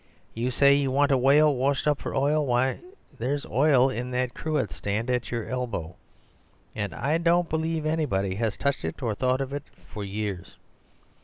You say you want a whale washed up for oil. Why, there's oil in that cruet stand at your elbow; and I don't believe anybody has touched it or thought of it for years.